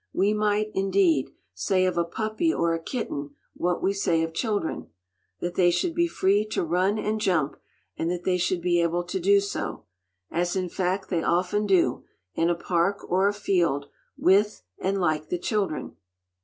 We might, indeed, say of a puppy or a kitten what we say of children: that they should be free to run and jump, and that they should be able to do so, as in fact they often do, in a park or a field, with and like the children.